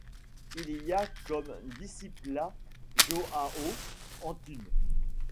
Il y a eu comme discipla João Antunes.